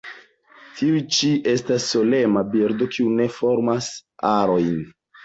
Tiu ĉi estas solema birdo kiu ne formas arojn.